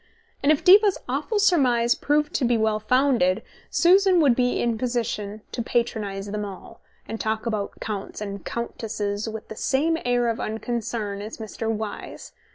And if Diva's awful surmise proved to be well founded, Susan would be in a position to patronize them all, and talk about counts and countesses with the same air of unconcern as Mr. Wyse.